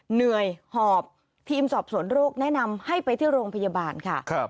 เหนื่อยหอบทีมสอบสวนโรคแนะนำให้ไปที่โรงพยาบาลค่ะ